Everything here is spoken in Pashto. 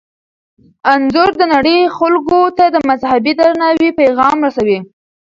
انځور د نړۍ خلکو ته د مذهبي درناوي پیغام رسوي.